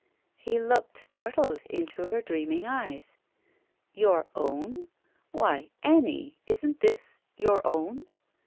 He looked startled into her dreariling eyes. '' Your own ? Why, Annie, isn't this — ^your own